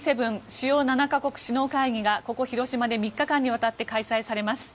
主要７か国首脳会議がここ広島で３日間にわたって開催されます。